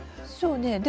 そうね。